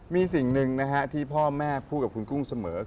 มีสิ่งหนึ่งนะฮะที่พ่อแม่พูดกับคุณกุ้งเสมอ